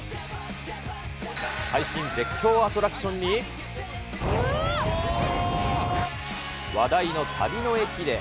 最新絶叫アトラクションに、話題の旅の駅で。